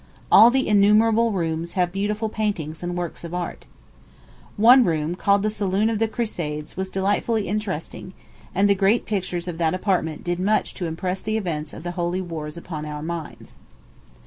All the innumerable rooms have beautiful paintings and works of art. One room, called the Saloon of the Crusades, was delightfully interesting; and the great pictures of that apartment did much to impress the events of the holy wars upon our minds.